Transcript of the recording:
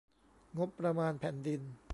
งบประมาณแผ่นดิน